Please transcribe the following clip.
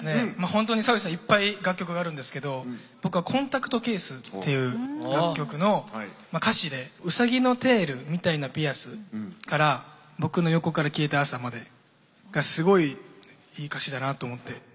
本当にサウシーさんいっぱい楽曲があるんですけど僕は「コンタクトケース」っていう楽曲の歌詞で「うさぎのテールみたいなピアス」から「僕の横から消えた朝」までがすごい、いい歌詞だなと思って。